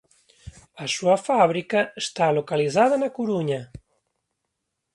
A súa fábrica está localizada na Coruña.